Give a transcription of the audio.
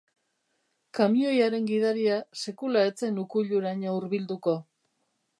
Kamioiaren gidaria sekula ez zen ukuiluraino hurbilduko.